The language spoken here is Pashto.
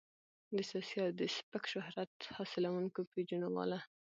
د سياسي او د سپک شهرت حاصلونکو پېجونو والا